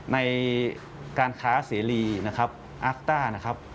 ในการค้าเสรีอาร์กต้าร์